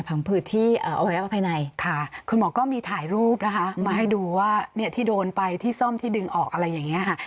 ผัดที่อวัยวะภายในค่ะคุณหมอก็มีถ่ายรูปนะคะมาให้ดูว่าเนี่ยที่โดนไปที่ซ่อมที่ดึงออกอะไรอย่างนี้ค่ะ